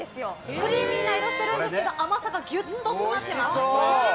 クリーミーな色してるんですけど甘さがギュッと詰まってます。